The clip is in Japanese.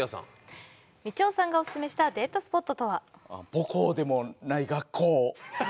母校でもない学校。